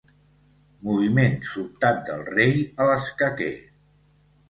Moviment sobtat del rei a l'escaquer.